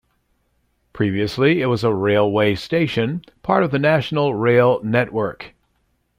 Previously it was a railway station, part of the National Rail network.